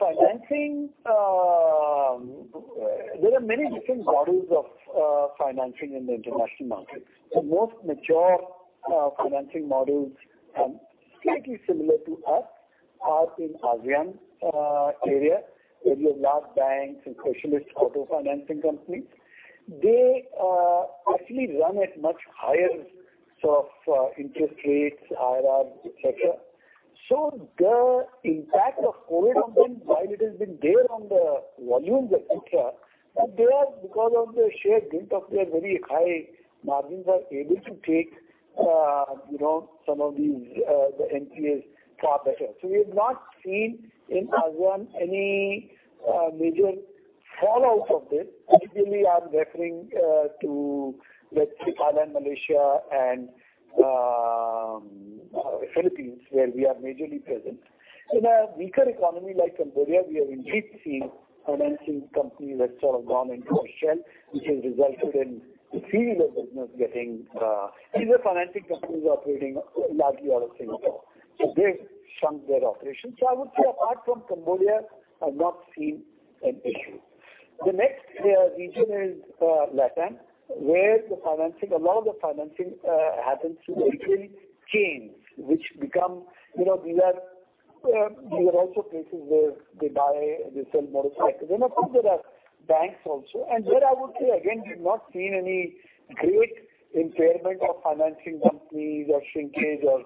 Financing, there are many different models of financing in the international market. The most mature financing models, slightly similar to us, are in the ASEAN area, where you have large banks and specialist auto financing companies. They actually run at much higher sorts of interest rates, IRRs, et cetera. The impact of COVID has been, while it has been there on the volumes, et cetera, but they are because of the sheer dint of their very high margins are able to take, you know, some of these, the NPAs far better. We have not seen in ASEAN any major fallout of this, particularly, I'm referring to, let's say, Thailand, Malaysia and Philippines, where we are majorly present. In a weaker economy like Cambodia, we have indeed seen financing companies that have sort of gone into a shell, which has resulted in the three-wheeler business. These are financing companies operating largely out of Singapore. They've shrunk their operations. I would say apart from Cambodia, I've not seen an issue. The next region is LATAM, where the financing, a lot of the financing, happens through retail chains, you know, these are also places where they buy and they sell motorcycles. Of course, there are banks also. There I would say again, we've not seen any great impairment of financing companies or shrinkage or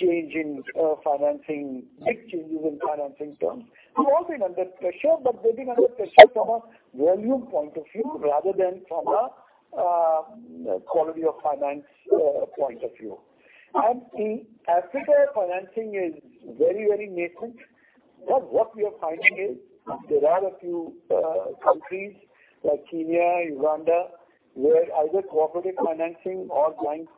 change in financing, big changes in financing terms. We've also been under pressure, but they've been under pressure from a volume point of view rather than from a quality of finance point of view. In Africa, financing is very, very nascent. What we are finding is there are a few countries like Kenya, Uganda, where either cooperative financing or bank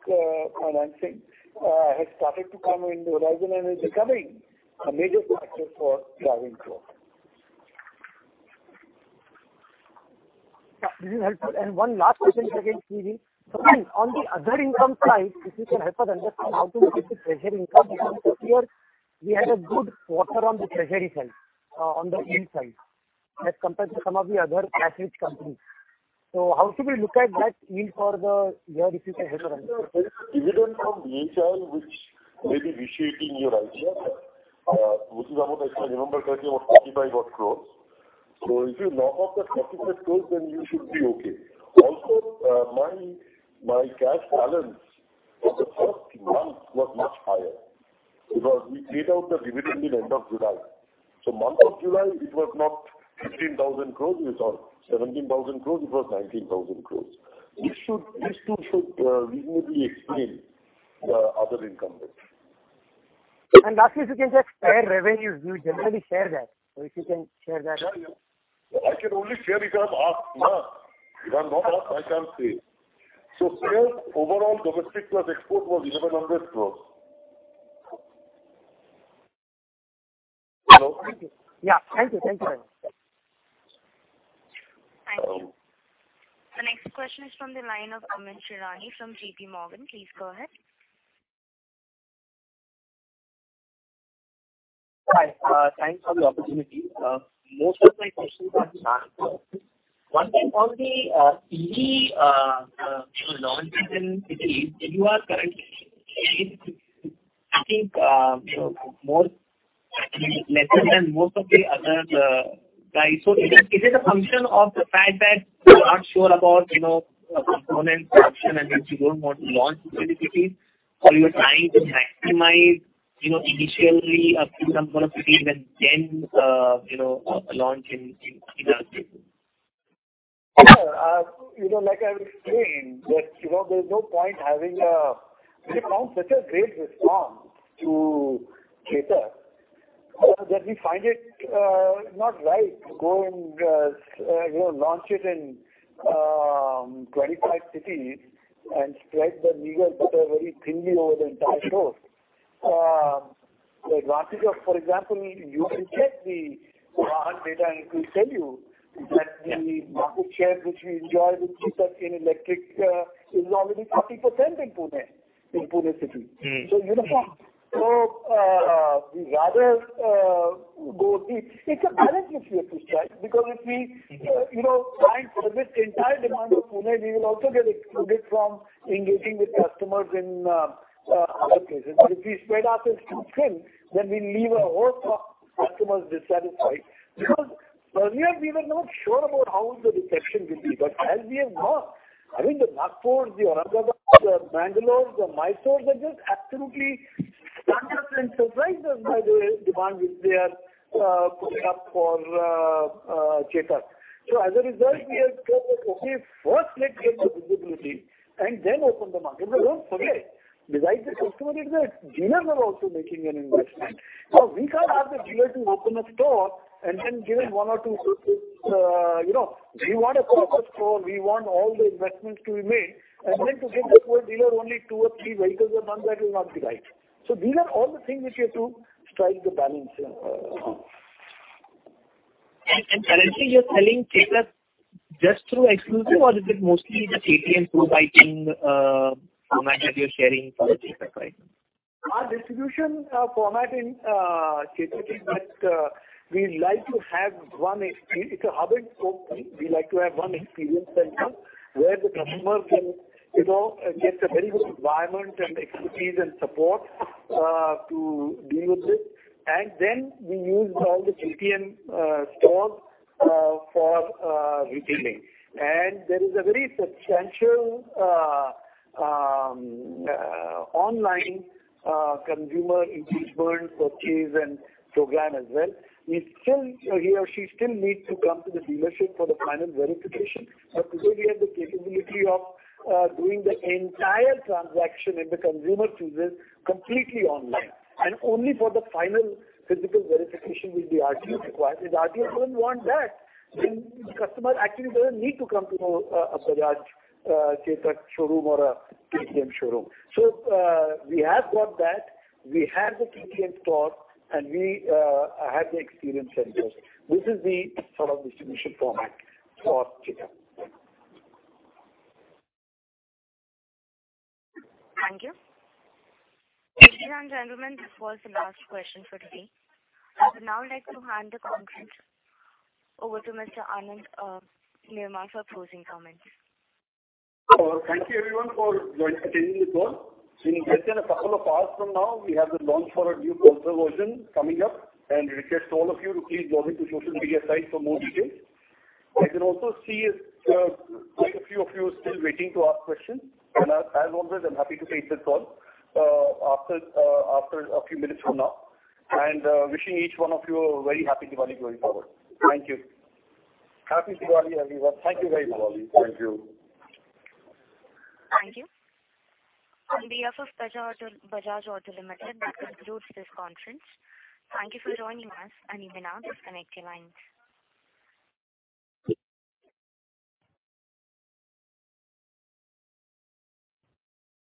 financing has started to come on the horizon and is becoming a major factor for driving growth. This is helpful. One last question, again, CJ. On the other income side, if you can help us understand how to look at the treasury income, because this year we had a good quarter on the treasury side, on the yield side as compared to some of the other peer group companies. How should we look at that yield for the year, if you can help us understand? Dividend from BHIL, which may be inflating your IC, which is about, if I remember correctly, was 35-odd crores. If you knock off the 35 crores, then you should be okay. Also, my cash balance for the first month was much higher because we paid out the dividend in end of July. Month of July, it was not 15,000 crores or 17,000 crores, it was 19,000 crores. These two should reasonably explain the other income there. Lastly, if you can just share revenues, you generally share that. If you can share that. Sure, yeah. I can only share if I'm asked, no? If I'm not asked, I can't say. Sales overall domestic plus export was INR 1,100 crore. Hello? Thank you. Yeah. Thank you. Thank you very much. Thank you. The next question is from the line of Amyn Pirani from JPMorgan. Please go ahead. Hi, thanks for the opportunity. Most of my questions are on Chetak. One thing on the EV, you know, launches in cities, you are currently I think, you know, more, I mean, lesser than most of the other guys. Is it a function of the fact that you are not sure about, you know, component production and hence you don't want to launch in too many cities? Or you are trying to maximize, you know, initially a few number of cities and then, you know, launch in other cities? Yeah, you know, like I was saying that, you know, there's no point. We found such a great response to Chetak that we find it not right to go and, you know, launch it in 25 cities and spread the meager butter very thinly over the entire toast. The advantage of, for example, you can check the VAHAN data and it will tell you that the market share which we enjoy with Chetak in electric is already 30% in Pune city. Mm-hmm. You know, we rather go the... It's a balance which we have to strike, because if we, you know, try and service the entire demand of Pune, we will also get excluded from engaging with customers in other places. If we spread ourselves too thin, then we leave a whole lot of customers dissatisfied. Because earlier we were not sure about how the reception will be. As we have now, I mean, the Nagpurs, the Aurangabad, the Bangalores, the Mysores are just absolutely stunned us and surprised us by the demand which they are putting up for Chetak. As a result, we have said that, okay, first let's get the visibility and then open the market. Don't forget, besides the customer, it's the dealers are also making an investment. Now we can't ask the dealer to open a store and then give him one or two, you know. We want a proper store. We want all the investments to be made. Then to give that poor dealer only two or three vehicles a month, that will not be right. These are all the things which we have to strike the balance on. Currently you're selling Chetak just through exclusive or is it mostly the KTM two-wheeler format that you're sharing for the Chetak, right? Our distribution format in Chetak is that we like to have one. It's a hub and spoke thing. We like to have one experience center where the customer can, you know, get a very good environment and expertise and support to deal with it. Then we use all the KTM stores for retailing. There is a very substantial online consumer engagement purchase and program as well. We still, he or she still needs to come to the dealership for the final verification. Today we have the capability of doing the entire transaction if the consumer chooses completely online. Only for the final physical verification will be RTO required. If RTO doesn't want that, then the customer actually doesn't need to come to a Bajaj Chetak showroom or a KTM showroom. We have got that. We have the KTM stores and we have the experience centers. This is the sort of distribution format for Chetak. Thank you. Ladies and gentlemen, this was the last question for today. I would now like to hand the conference over to Mr. Anand Newar for closing comments. Thank you everyone for joining, attending this call. In less than a couple of hours from now, we have the launch for our new Pulsar version coming up, and request all of you to please log into social media sites for more details. I can also see quite a few of you still waiting to ask questions. As always, I'm happy to take this call after a few minutes from now. Wishing each one of you a very happy Diwali going forward. Thank you. Happy Diwali, everyone. Thank you very much. Happy Diwali. Thank you. Thank you. On behalf of Bajaj Auto, Bajaj Auto Limited, that concludes this conference. Thank you for joining us and you may now disconnect your lines.